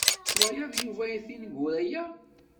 Twalaḍ Yuba tineggura-ya?